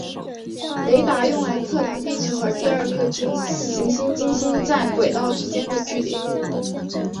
雷达用来测量地球和第二颗行星金星在轨道之间的距离。